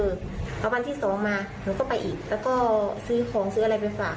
เอาวันที่สองมาหนูก็ไปอีกแล้วก็ซื้อของซื้ออะไรไปฝาก